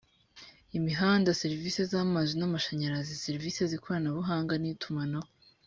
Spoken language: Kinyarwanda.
imihanda serivisi z amazi n amashanyarazi serivisi z ikoranabuhanga n itumanaho